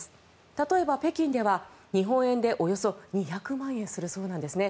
例えば北京では日本円でおよそ２００万円するそうなんですね。